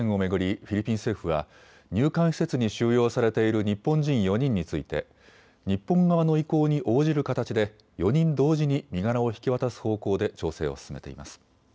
フィリピン政府は入管施設に収容されている日本人４人について日本側の意向に応じる形で４人同時に身柄を引き渡す方向で調整を進めています。